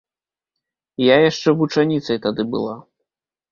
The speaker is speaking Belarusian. Я яшчэ вучаніцай тады была.